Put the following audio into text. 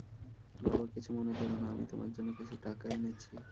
বাবা কিছু মনে করো না, আমি তোমার জন্য কিছু টাকা এনেছি।